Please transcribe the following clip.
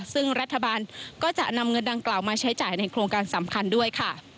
ซึ่งรัฐบาลก็จะนำเงินดังกล่าวมาใช้จ่ายในโครงการสำคัญด้วยค่ะ